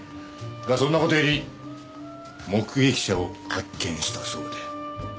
がそんな事より目撃者を発見したそうで。